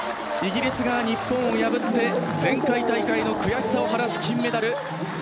イギリスが日本を破って前回大会の悔しさを晴らす金メダル。